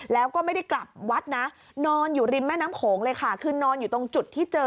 แล้วก็ไม่ได้กลับวัดนะนอนอยู่ริมแม่น้ำโขงเลยค่ะคือนอนอยู่ตรงจุดที่เจอ